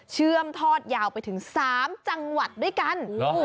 เชื่อมทอดยาวไปถึง๓จังหวัดด้วยกัน